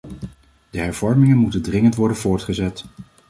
De hervormingen moeten dringend worden voortgezet.